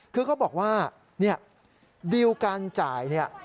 คือก็บอกว่าดีลการจ่ายนี่